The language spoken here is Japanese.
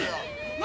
何？